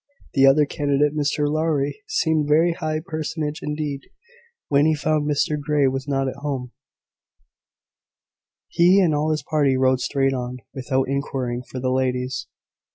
The other candidate, Mr Lowry, seemed a very high personage indeed. When he found Mr Grey was not at home, he and all his party rode straight on, without inquiring for the ladies.